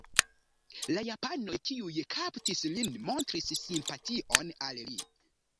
La japanoj kiuj kaptis lin montris simpation al li.